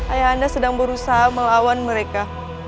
ayahanda sedang berusaha melawan mereka